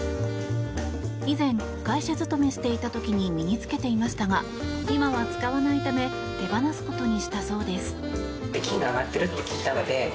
以前、会社勤めていた時に身に着けていましたが今は使わないため手放すことにしたそうです。